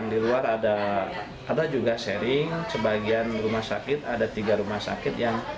liras kesehatan tasik malaya memastikan